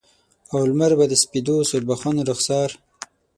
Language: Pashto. او لمر به د سپیدو سوربخن رخسار